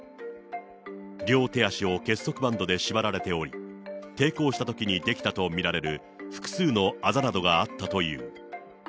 両手足を結束バンドで縛られており、抵抗したときに出来たと見られる複数のあざなどがあったという。